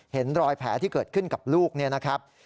เห็นรอยแผลที่เกิดขึ้นกับลูกเนี่ยนะครับ